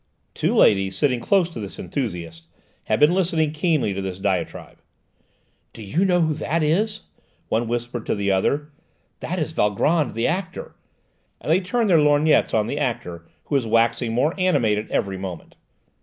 Two ladies, sitting close to this enthusiast, had been listening keenly to this diatribe. "Do you know who that is?" one whispered to the other. "That is Valgrand, the actor," and they turned their lorgnettes on the actor who was waxing more animated every moment.